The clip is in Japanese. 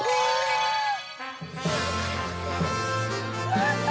やった！